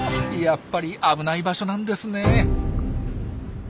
やっぱり危ない場所なんですね。